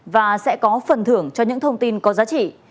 và sẽ có phần thưởng cho những thông tin có giá trị